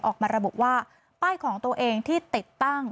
ออกมาระบุว่าป้ายของตัวเองที่ติดตั้ง